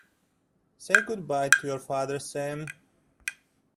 Say good-bye to your father, Sam.